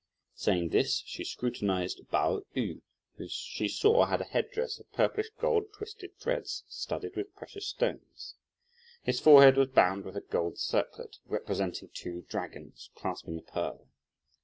Saying this she scrutinised Pao yü, who she saw had a head dress of purplish gold twisted threads, studded with precious stones. His forehead was bound with a gold circlet, representing two dragons, clasping a pearl.